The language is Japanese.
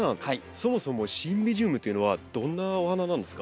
そもそもシンビジウムというのはどんなお花なんですか？